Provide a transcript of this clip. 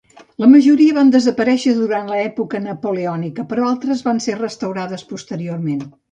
La majoria van desaparèixer durant l'època napoleònica, però altres van ser restaurades posteriorment.